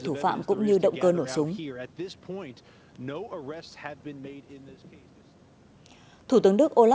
thủ tướng d hunter russell đã nói nà